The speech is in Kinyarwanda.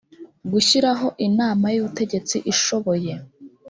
gushyiraho inama y ubutegetsi ishoboye